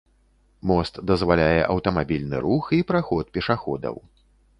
Мост дазваляе аўтамабільны рух і праход пешаходаў.